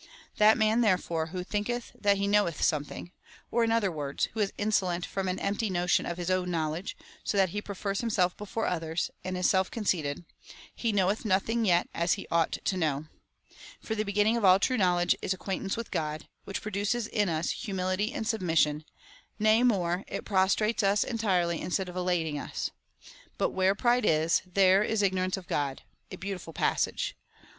That man, therefore, who thinketh that he knoweth something, or, in other words, who is insolent from an empty notion of his own knowledge, so that he prefers himself before others, and is self conceited, he knoweth nothing yet as he ought to know. For the beginning of all time knowledge is acquaint ance with Grod, which produces in us humility and submis sion ; nay more, it prostrates us entirely instead of elating us. But where pride is, there is ignorance of God^ — a beau tiful passage